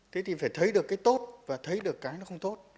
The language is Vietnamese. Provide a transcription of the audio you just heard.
thế thì phải thấy được cái tốt và thấy được cái nó không tốt